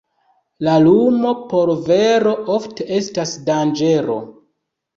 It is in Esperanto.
La lumo por vero ofte estas danĝero.